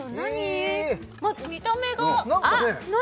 まず見た目が何？